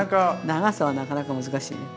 長さはなかなか難しいね。